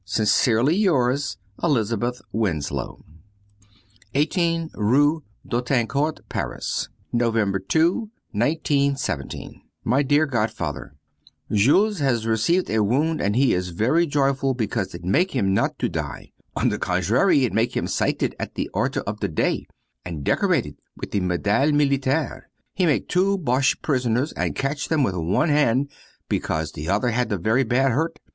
Sincerely yours, Elizabeth Winslow 18 rue d'Autancourt, Paris. November 2, 1917. My dear godfather: Jules has received a wound, and he is very joyful because it make him not to die; on the contrary it make him cited at the order of the day and decorated with the Médaille Militaire. He make two boches prisoners and catch them with one hand because the other had the very bad hurt.